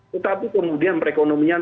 tetapi kemudian perekonomian